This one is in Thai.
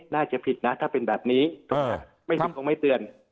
น่าจะผิดนะถ้าเป็นแบบนี้ไม่ผิดคงไม่เตือน